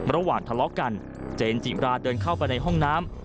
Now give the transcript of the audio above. ระหว่างทะเลาะกันเจนจิราเดินเข้าไปในห้องน้ำ